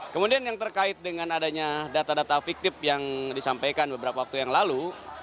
kemudian yang terkait dengan adanya data data fiktif yang disampaikan beberapa waktu yang lalu